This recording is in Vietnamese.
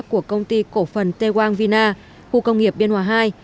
của công ty cổ phần tê quang vina khu công nghiệp biên hòa hai